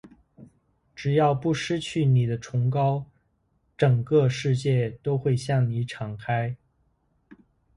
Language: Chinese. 只要不失去你的崇高，整个世界都会向你敞开。